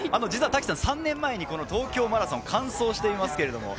滝さん、３年前に東京マラソン完走しています。